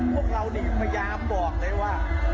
พี่น้องแบบนี้มีความเดือดร้อนของพี่น้องแบบนี้